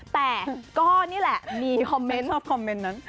แต่ก็นี่แหละมีคอมเมนต์ชอบคอมเมนต์นั้น